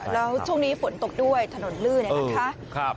แล้วช่วงนี้ฝนตกด้วยถนนลื่นเนี่ยนะคะ